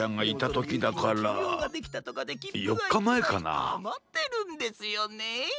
あまってるんですよね。